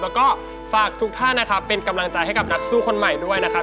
แล้วก็ฝากทุกท่านนะครับเป็นกำลังใจให้กับนักสู้คนใหม่ด้วยนะครับ